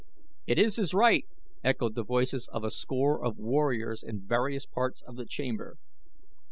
"It is his right," echoed the voices of a score of warriors in various parts of the chamber.